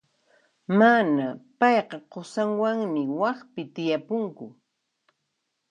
Mana, payqa qusanwanmi waqpi tiyapunku.